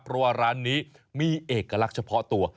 เพราะว่าร้านนี้มีเอกลักษณ์เฉพาะตัว